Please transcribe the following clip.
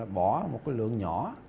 bỏ một cái lượng nhỏ